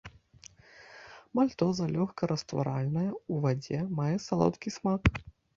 Мальтоза лёгка растваральныя ў вадзе, мае салодкі смак.